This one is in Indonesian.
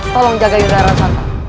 tolong jaga yudhara santai